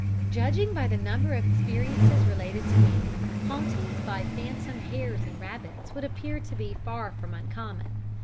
Judging by the number of experiences related to me, hauntings by phantom hares and rabbits would appear to be far from uncommon.